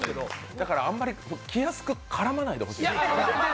だからあんまりきやすく絡まないでほしいんです。